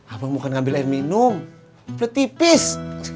abang bukan ambil air minum belet pipis